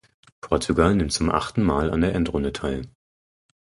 Portugal nimmt zum achten Mal an der Endrunde teil.